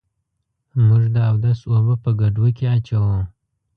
موږ د اودس اوبه په ګډوه کي اچوو.